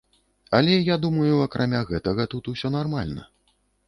Але я думаю акрамя гэтага тут усё нармальна.